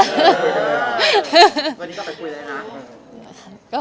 วันนี้ก็ไปคุยเลยนะ